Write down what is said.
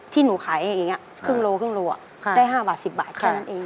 ที่หนูขายอย่างนี้ครึ่งโลครึ่งโลได้๕บาท๑๐บาทแค่นั้นเอง